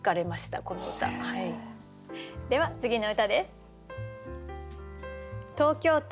では次の歌です。